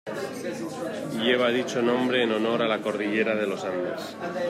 Lleva dicho nombre en honor a la cordillera de los Andes.